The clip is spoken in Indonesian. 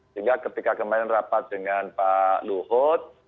sehingga ketika kemarin rapat dengan pak luhut